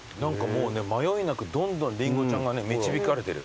迷いなくどんどんりんごちゃんが導かれてる。